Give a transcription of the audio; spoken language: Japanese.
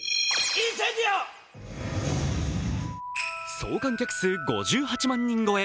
総観客数５８万人超え。